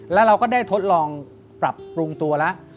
แล้วเราก็ได้ทดลองปรับปรุงตัวแล้ว